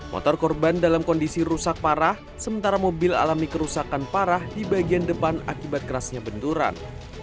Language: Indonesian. motor korban dalam kondisi rusak parah sementara mobil alami kerusakan parah di bagian depan akibat kerasnya benturan